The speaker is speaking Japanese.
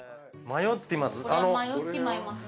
迷っています。